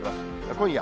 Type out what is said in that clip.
今夜。